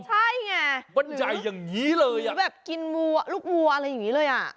ใช่ไงมันใหญ่อย่างนี้เลยอ่ะคือแบบกินวัวลูกวัวอะไรอย่างนี้เลยอ่ะ